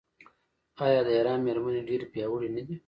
آیا د ایران میرمنې ډیرې پیاوړې نه دي؟